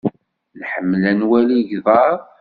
Nḥemmel ad nwali igḍaḍ.